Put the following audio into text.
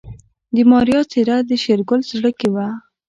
د ماريا څېره د شېرګل زړه کې وه.